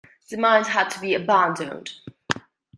The mines had to be abandoned.